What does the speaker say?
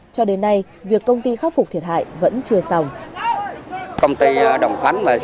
cho đến nay việc công ty khắc phục thiệt hại vẫn chưa xong